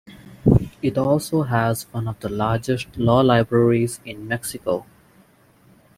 It also has one of the largest law libraries in Mexico.